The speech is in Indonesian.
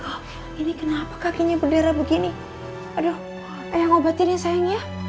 loh ini kenapa kakinya berdera begini aduh ayo ngobatin ya sayang ya